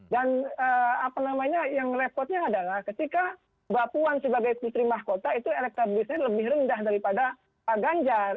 dan apa namanya yang repotnya adalah ketika mbak puan sebagai putri mahkota itu elektabilisasi lebih rendah daripada ganjar